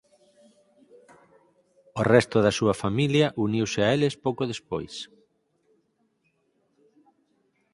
O resto da súa familia uniuse a eles pouco despois.